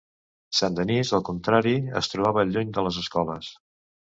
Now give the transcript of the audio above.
Saint-Denis, al contrari, es trobava lluny de les escoles.